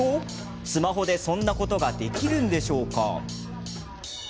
スマホでそんなことができるんでしょうか。